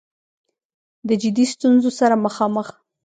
د جدي ستونځو سره مخامخ